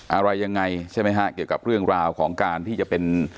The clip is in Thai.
อะไรยังไงใช่ไหมฮะเกี่ยวกับเรื่องราวของการที่จะเป็น